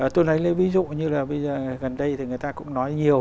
tôi lấy ví dụ như là bây giờ gần đây thì người ta cũng nói nhiều